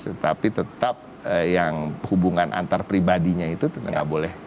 tetapi tetap yang hubungan antar pribadinya itu nggak boleh